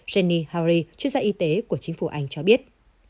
jenny hari chuyên gia y tế của chính phủ anh cho biết